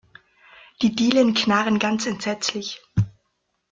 Die Dielen knarren ganz entsetzlich.